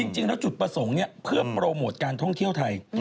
จริงแล้วจุดประสงค์เพื่อโปรโมทการท่องเที่ยวไทย